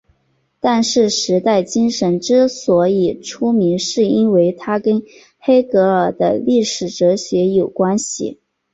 但是时代精神之所以出名是因为它跟黑格尔的历史哲学有关系。